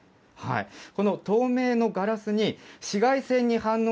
この透明のガラスに紫外線に反応